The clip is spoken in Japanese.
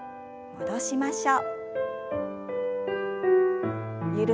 戻しましょう。